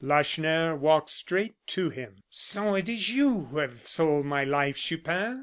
Lacheneur walked straight to him. "So it is you who have sold my life, Chupin?"